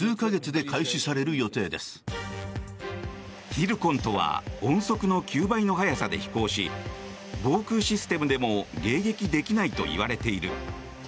ツィルコンとは音速の９倍の速さで飛行し防空システムでも迎撃できないといわれている。